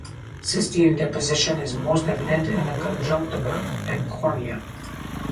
Cysteine deposition is most evident in the conjunctiva and cornea.